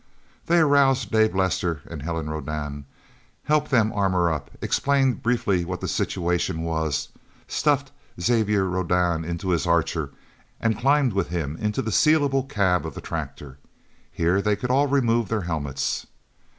They aroused Dave Lester and Helen Rodan, helped them armor up, explained briefly what the situation was, stuffed Xavier Rodan into his Archer, and climbed with him into the sealable cab of the tractor. Here they could all remove their helmets.